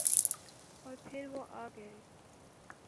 اورپھر وہ آگئے۔